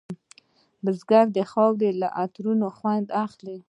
بزګر د خاورې له عطره خوند اخلي